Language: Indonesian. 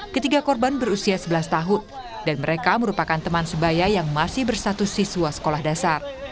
ketiga korban berusia sebelas tahun dan mereka merupakan teman sebaya yang masih bersatu siswa sekolah dasar